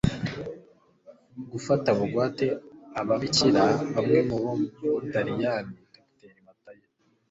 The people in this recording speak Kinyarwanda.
gufata bugwate ababikira bamwe bo mu butaliyani. dr matayo